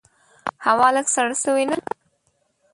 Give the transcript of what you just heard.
هوا لږ سړه سوي نده؟